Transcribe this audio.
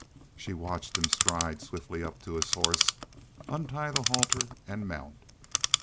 She watched him stride swiftly up to his horse, untie the halter, and mount.